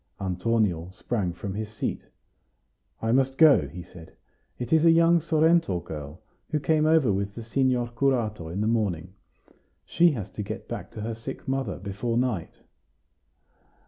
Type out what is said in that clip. Antonio sprang from his seat. "I must go," he said. "It is a young Sorrento girl, who came over with the signor curato in the morning. She has to get back to her sick mother before night."